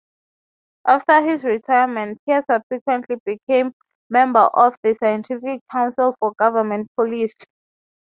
After his retirement Teer subsequently became member of the Scientific Council for Government Policy.